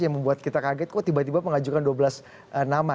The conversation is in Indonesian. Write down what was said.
yang membuat kita kaget kok tiba tiba mengajukan dua belas nama